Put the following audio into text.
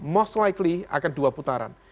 most likely akan dua putaran